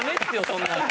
そんなん。